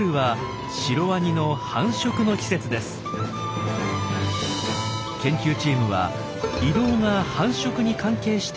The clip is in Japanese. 研究チームは移動が繁殖に関係しているとにらみました。